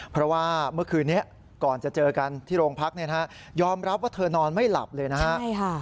เพราะว่าเมื่อคืนนี้ก่อนจะเจอกันที่โรงพักเนี่ยนะฮะยอมรับว่าเธอนอนไม่หลับเลยนะฮะ